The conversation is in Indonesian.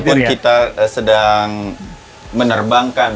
meskipun kita sedang menerbangkan